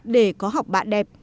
để có học bạ đẹp